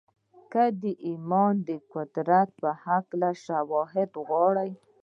که د ايمان د قوت په هکله شواهد غواړئ.